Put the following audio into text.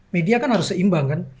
media kan harus seimbang kan